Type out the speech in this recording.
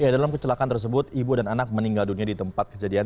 dalam kecelakaan tersebut ibu dan anak meninggal dunia di tempat kejadian